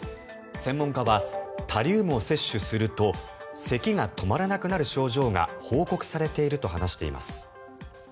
専門家はタリウムを摂取するとせきが止まらなくなる症状が報告されていると話しています。